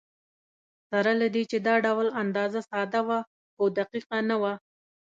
سره له دې چې دا ډول اندازه ساده وه، خو دقیقه نه وه.